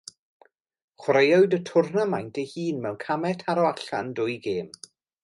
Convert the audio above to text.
Chwaraewyd y twrnamaint ei hun mewn camau taro allan dwy gêm.